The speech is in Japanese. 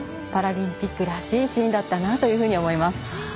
パラリンピックらしいシーンだったなと思います。